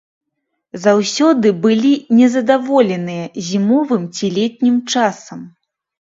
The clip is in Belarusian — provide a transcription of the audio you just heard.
Заўсёды былі незадаволеныя зімовым ці летнім часам.